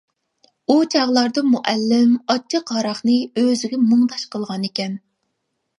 ئۇ چاغلاردا مۇئەللىم ئاچچىق ھاراقنى ئۆزىگە مۇڭداش قىلغانىكەن.